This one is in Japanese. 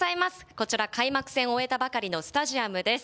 こちら、開幕戦を終えたばかりのスタジアムです。